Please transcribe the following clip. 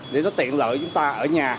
để nó tiện lợi chúng ta ở nhà